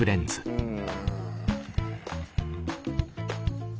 うん。